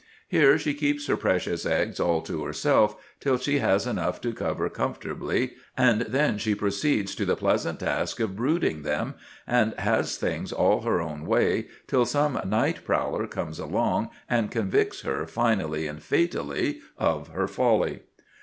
Here she keeps her precious eggs all to herself till she has enough to cover comfortably, and then she proceeds to the pleasant task of brooding them, and has things all her own way till some night prowler comes along and convicts her, finally and fatally, of her folly.